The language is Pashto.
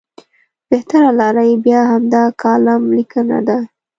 بهتره لاره یې بیا همدا کالم لیکنه ده.